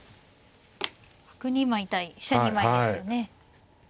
角２枚対飛車２枚ですね。